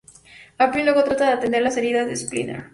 April luego trata de atender las heridas de Splinter.